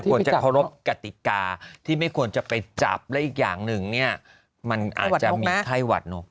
ควรจะเคารพกติกาที่ไม่ควรจะไปจับและอีกอย่างหนึ่งเนี่ยมันอาจจะมีไข้หวัดนก